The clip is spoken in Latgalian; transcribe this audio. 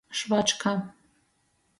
Švačka.